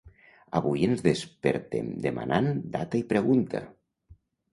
Avui ens despertem demanant data i pregunta!